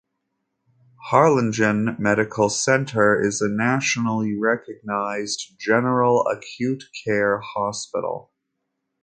Harlingen Medical Center is a nationally recognized general acute care hospital.